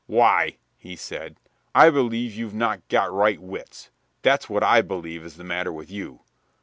"Why," he said, "I believe you've not got right wits that's what I believe is the matter with you.